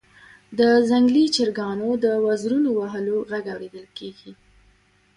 د ځنګلي چرګانو د وزرونو وهلو غږ اوریدل کیږي